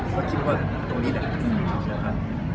กุญแจเป็นการเก็บฝัน